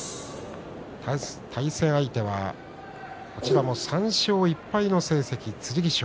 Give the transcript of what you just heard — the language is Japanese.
対戦相手は、こちらも３勝１敗の成績の剣翔。